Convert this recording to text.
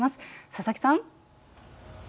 佐々木さん。